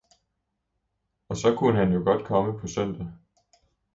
- og så kunne han jo godt komme på søndag!